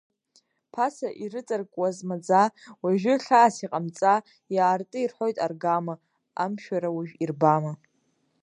Ԥаса ирыҵаркуаз маӡа, уажәы, хьаас иҟамҵа, иаарты ирҳәоит аргама, амшәара уажә ирбама.